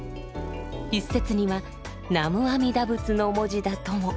一説には南無阿弥陀仏の文字だとも。